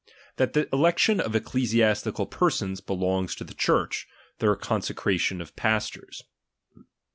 That the election of eceleBiastical persons belongs to the Church, their consecration to paators.